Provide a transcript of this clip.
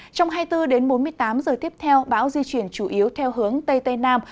trong hai mươi bốn đến bốn mươi tám giờ tiếp theo bão di chuyển chủ yếu theo hướng tây tây nam